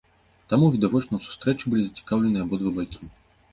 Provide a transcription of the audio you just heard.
Таму, відавочна, у сустрэчы былі зацікаўленыя абодва бакі.